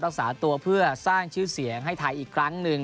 รักษาตัวเพื่อสร้างชื่อเสียงให้ไทยอีกครั้งหนึ่ง